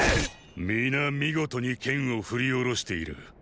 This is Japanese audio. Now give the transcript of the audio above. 皆見事に剣を振り下ろしている。